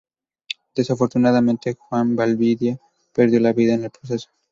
Desafortunadamente Juan Valdivia perdió la vida en el proceso.